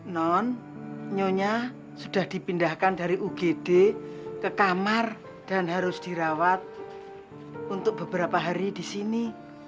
non nyonya sudah dipindahkan dari ugd ke kamar dan harus dirawat untuk beberapa hari di sini